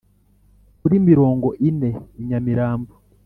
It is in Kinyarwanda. Kuri mirongo ine i Nyamirambo